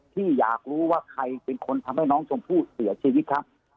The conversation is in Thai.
ที่อยากรู้ว่าใครเป็นคนทำให้น้องชมพู่เสียชีวิตครับ